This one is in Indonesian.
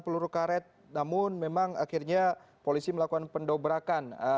peluru karet namun memang akhirnya polisi melakukan pendobrakan